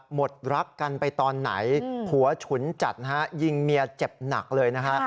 หมดรักกันไปตอนไหนผัวฉุนจัดนะฮะยิงเมียเจ็บหนักเลยนะฮะ